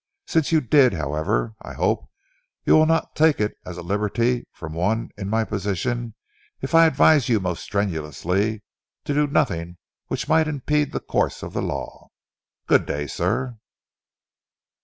Since you did, however, I hope you will not take it as a liberty from one in my position if I advise you most strenuously to do nothing which might impede the course of the law. Good day, sir!"